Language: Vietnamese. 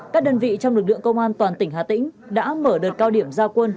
các đơn vị trong lực lượng công an toàn tỉnh hà tĩnh đã mở đợt cao điểm giao quân